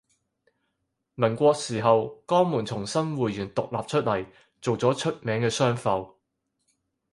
民國時候江門從新會縣獨立出嚟做咗出名嘅商埠